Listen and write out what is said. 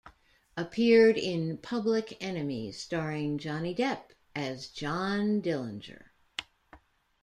Appeared in "Public Enemies" starring Johnny Depp as John Dillinger.